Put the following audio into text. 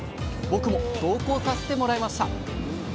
僕も同行させてもらいました。